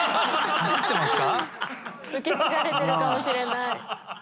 受け継がれてるかもしれない。